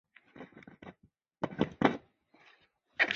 他是海军舰载航空兵部队成立后第一位牺牲的飞行员。